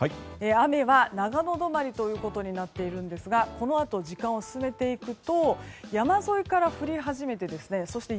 雨は長野止まりということになっているんですがこのあと、時間を進めていくと山沿いから降り始めてそして